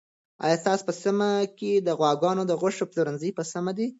آیا ستاسو په سیمه کې د غواګانو د غوښې پلورنځي په سمه دي؟